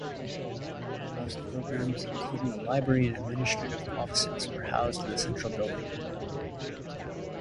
Most programs, including the library and administrative offices, were housed in the central building.